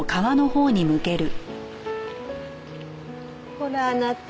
ほらあなた。